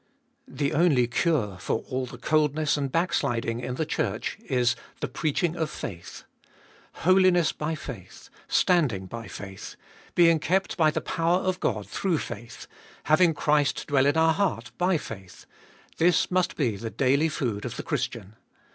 1. The only cure for all the coldness and backsliding in the Church is "the preaching of faith." Holiness by faith, standing by faith, being kept by the power of God through faith, having Christ dwell in our heart by faith,— this must be the daily food of the Christian.